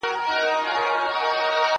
هغه وويل چي سپينکۍ مينځل ضروري دي